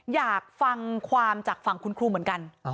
อยากฟังความจากฝั่งคุณครูเหมือนกัน